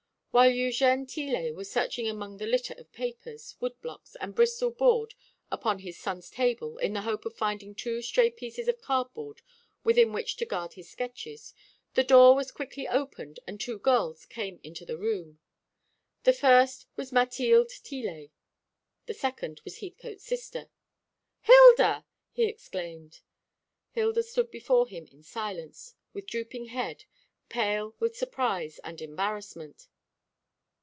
While Eugène Tillet was searching among the litter of papers, wood blocks, and Bristol board upon his son's table, in the hope of finding two stray pieces of cardboard within which to guard his sketches, the door was quickly opened, and two girls came into the room. The first was Mathilde Tillet, the second was Heathcote's sister. "Hilda!" he exclaimed. Hilda stood before him in silence, with drooping head, pale with surprise and embarrassment.